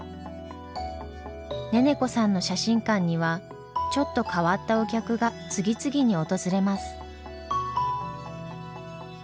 ネネコさんの写真館にはちょっと変わったお客が次々に訪れます。